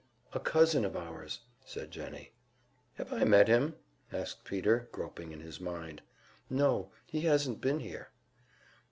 "A cousin of ours," said Jennie. "Have I met him?" asked Peter, groping in his mind. "No, he hasn't been here."